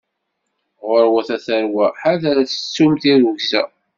Ɣurwet a tarwa, ḥader ad tettum tirrugza.